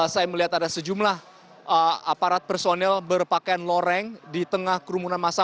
saya melihat ada sejumlah aparat personel berpakaian loreng di tengah kerumunan masa